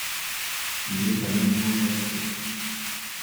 Il est un monument classé.